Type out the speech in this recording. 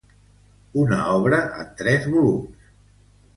Una obra en tres volums.